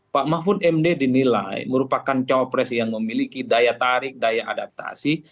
pak mahfud md dinilai merupakan cawapres yang memiliki daya tarik daya adaptasi